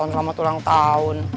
selamat ulang tahun